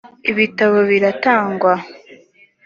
ibitambo biratangwa